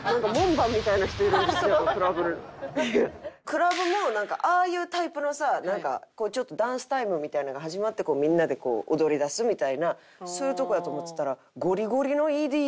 クラブもなんかああいうタイプのさちょっとダンスタイムみたいなんが始まってみんなで踊りだすみたいなそういうとこやと思ってたら。